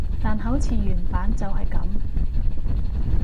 但好似原版就係噉